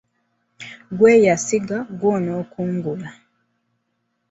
Gye wasiga gy'onookungula.